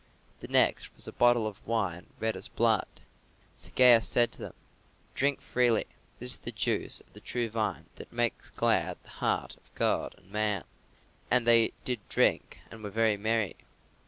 The next was a bottle of wine red as blood. So Gaius said to them, "Drink freely; this is the juice of the true vine that makes glad the heart of God and man." And they did drink and were very merry.